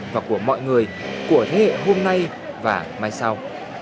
và của mọi người của thế hệ hôm nay và mai sau